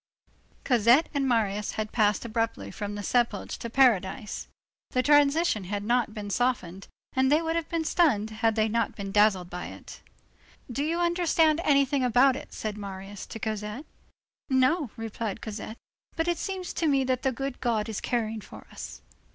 Cosette and Marius had passed abruptly from the sepulchre to paradise. The transition had not been softened, and they would have been stunned, had they not been dazzled by it. "Do you understand anything about it?" said Marius to Cosette. "No," replied Cosette, "but it seems to me that the good God is caring for us."